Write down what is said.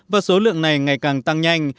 và số lượng này ngày càng tăng nhanh